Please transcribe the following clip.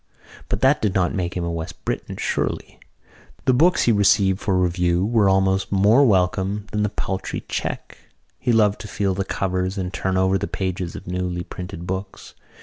But that did not make him a West Briton surely. The books he received for review were almost more welcome than the paltry cheque. He loved to feel the covers and turn over the pages of newly printed books.